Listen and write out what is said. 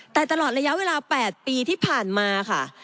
แต่ตลอดระยะเวลา๘ปีที่ผ่านมาค่ะ